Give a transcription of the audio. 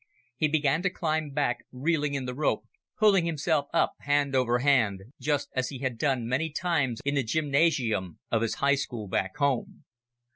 He began to climb back, reeling in the rope, pulling himself up hand over hand, just as he had done many times in the gymnasium of his high school back home.